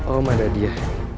oh mana dia